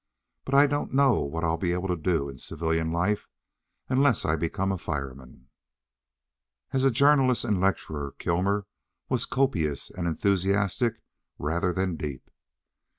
But I don't know what I'll be able to do in civilian life unless I become a fireman! As journalist and lecturer Kilmer was copious and enthusiastic rather than deep.